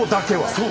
そう！